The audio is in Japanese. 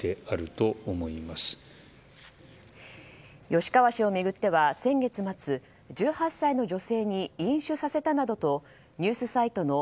吉川氏を巡っては先月末１８歳の女性に飲酒させたなどとニュースサイトのＮＥＷＳ